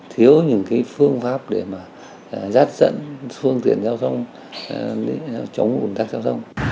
thiếu những cái phương pháp để mà giáp dẫn phương tiện giao thông chống ủn tắc giao thông